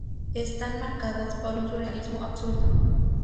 Están marcadas por un surrealismo absurdo.